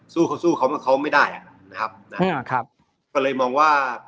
สู้เขาสู้เขาเขาไม่ได้อ่ะนะครับก็เลยมองว่า